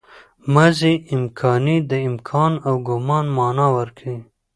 ماضي امکاني د امکان او ګومان مانا ورکوي.